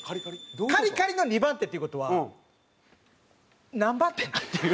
の２番手っていう事は何番手？っていう。